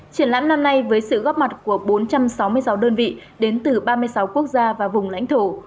triển lãm năm nay với sự góp mặt của bốn trăm sáu mươi sáu đơn vị đến từ ba mươi sáu quốc gia và vùng lãnh thổ